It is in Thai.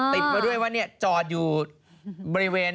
ติดมาด้วยว่าจอดอยู่บริเวณ